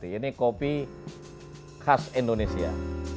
ini kopi khas indonesia